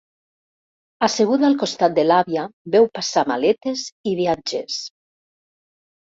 Asseguda al costat de l'àvia, veu passar maletes i viatgers.